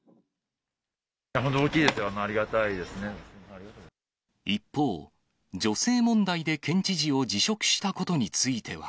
本当大きいですよ、ありがた一方、女性問題で県知事を辞職したことについては。